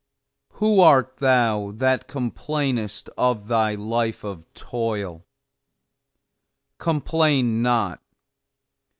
Who art thou that complainest of thy life of toil? Complain not.